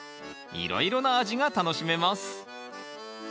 いろいろな味が楽しめます。